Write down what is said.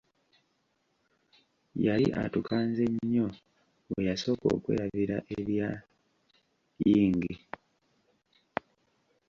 Yali atukanze nnyo bwe yasooka okwerabira erya Ying.